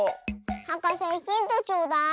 はかせヒントちょうだい。